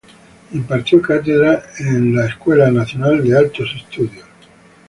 Impartió cátedra en la en la Escuela Nacional de Altos Estudios.